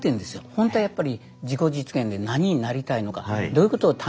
ほんとはやっぱり自己実現で何になりたいのかどういうことを探求したいのか。